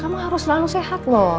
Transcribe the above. kamu harus selalu sehat loh